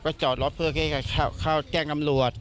กะบ่างกะคนขับก็จอดรถเพื่อให้เขาเข้าแจ้งกำลวด